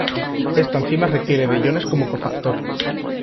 Esta enzima requiere de iones como cofactor.